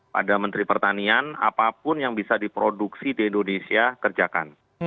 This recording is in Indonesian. pada menteri pertanian apapun yang bisa diproduksi di indonesia kerjakan